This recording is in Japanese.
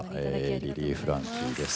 リリー・フランキーです。